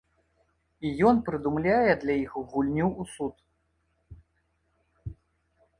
І ён прыдумляе для іх гульню ў суд.